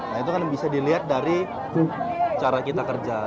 nah itu kan bisa dilihat dari cara kita kerja